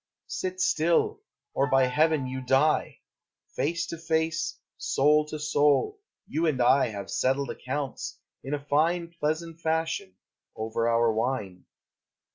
Sit still, or by heaven, you die! Face to face, soul to soul, you and I Have settled accounts, in a fine Pleasant fashion, over our wine.